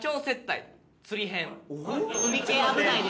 海系危ないです。